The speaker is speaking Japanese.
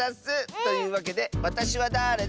というわけで「わたしはだれだ？」